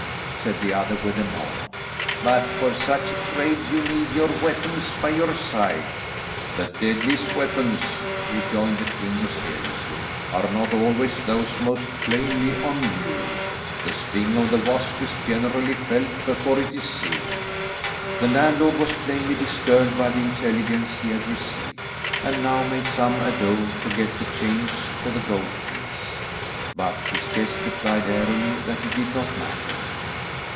said the other with a nod, "but for such a trade you need your weapons by your side." "The deadliest weapons," rejoined the king mysteriously, "are not always those most plainly on view. The sting of the wasp is generally felt before it is seen." The landlord was plainly disturbed by the intelligence he had received, and now made some ado to get the change for the gold piece, but his guest replied airily that it did not matter.